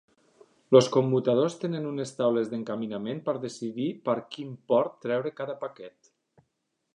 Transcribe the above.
Els commutadors tenen unes taules d'encaminament per decidir per quin port treure cada paquet.